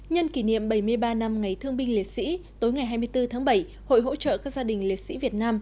nhân kỷ niệm bảy mươi ba năm ngày thương binh liệt sĩ tối ngày hai mươi bốn tháng bảy hội hỗ trợ các gia đình liệt sĩ việt nam